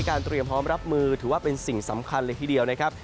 เตรียมพร้อมรับมือถือว่าเป็นสิ่งสำคัญเลยทีเดียวนะครับ